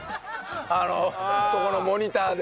あのここのモニターで。